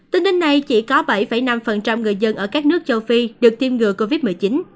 tính đến nay chỉ có bảy năm người dân ở các nước châu phi được tiêm ngừa covid một mươi chín